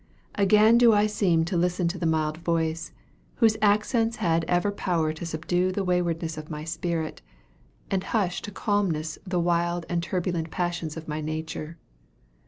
Again do I seem to listen to the mild voice, whose accents had ever power to subdue the waywardness of my spirit, and hush to calmness the wild and turbulent passions of my nature.